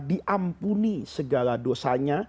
diampuni segala dosanya